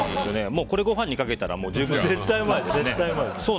これご飯にかけたら十分ですね。